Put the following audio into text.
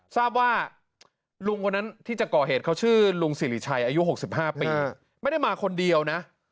ทราบว่าลุงคนนั้นที่จะก่อเหตุเขาชื่อลุงสิริชัยอายุ๖๕ปีไม่ได้มาคนเดียวนะ